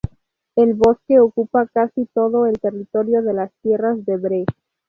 El bosque ocupa casi todo el territorio de las tierras de Bree.